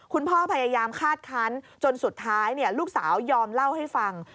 พยายามคาดคันจนสุดท้ายลูกสาวยอมเล่าให้ฟัง